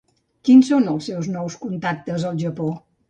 Quins són els seus nous contactes al Japó?